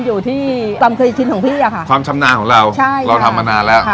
อยู่ที่ความเคยชินของพี่อะค่ะความชำนาญของเราใช่เราทำมานานแล้ว